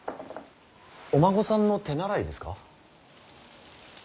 お孫さんの手習いですか？